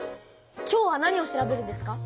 今日は何を調べるんですか？